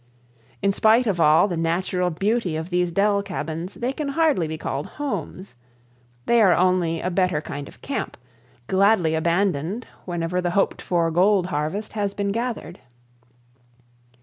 In spite of all the natural beauty of these dell cabins, they can hardly be called homes. They are only a better kind of camp, gladly abandoned whenever the hoped for gold harvest has been gathered.